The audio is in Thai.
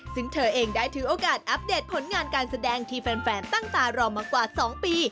ซึ่งเธอเองได้ถือโอกาสอัปเดตผลงานการแสดงที่แฟนตั้งตารอมากว่า๒ปี